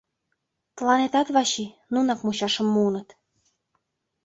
Тыланетат, Вачи, нунак мучашым муыныт!..